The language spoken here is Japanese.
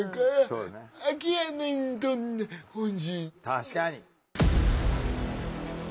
確かに。